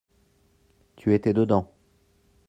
Tu étais dedans.